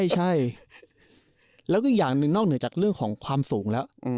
ใช่แล้วก็อีกอย่างหนึ่งนอกเหนือจากเรื่องของความสูงแล้ว